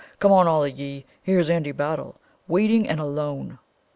Come on, all of ye, Here's Andy Battle, Waiting and alone!"